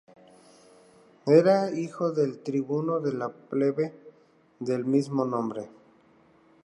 Era hijo del tribuno de la plebe del mismo nombre.